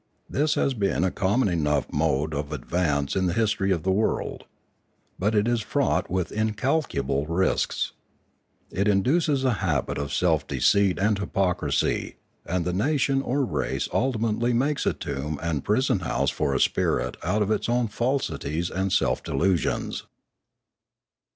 This has been a common enough mode of advance in the history of the world. But it is fraught with incalculable risks. It induces a habit of self deceit and hypocrisy, and the nation or race ultim ately makes a tomb and prison house for its spirit out of its own falsities and self delusions.